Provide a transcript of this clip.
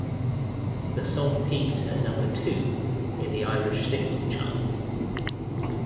The song peaked at number two in the Irish Singles Chart.